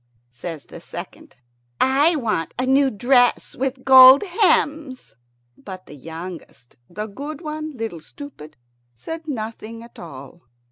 Says the second, "I want a new dress with gold hems." But the youngest, the good one, Little Stupid, said nothing at all.